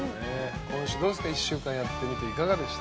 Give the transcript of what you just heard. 今週、１週間やってみていかがでした？